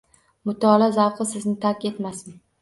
Mutolaa zavqi sizni tark etmasin